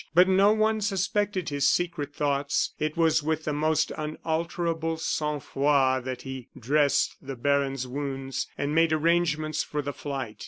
But no one suspected his secret thoughts. It was with the most unalterable sang froid that he dressed the baron's wounds and made arrangements for the flight.